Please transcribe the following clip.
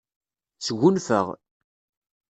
Sgunfaɣ.